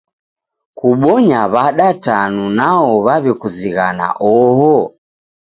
Kubonya w'ada tanu nao waw'ekuzinghana oho?